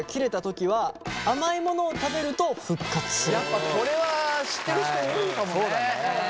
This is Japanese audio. やっぱこれは知ってる人多いかもね。